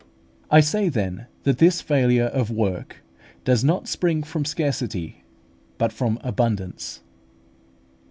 I say, then, that this failure of work does not spring from scarcity, but from abundance.